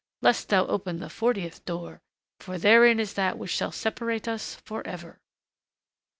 lest thou open the fortieth door, for therein is that which shall separate us forever."